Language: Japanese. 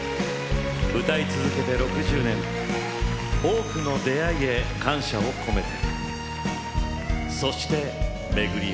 歌い続けて６０年多くの出会いへ感謝を込めて。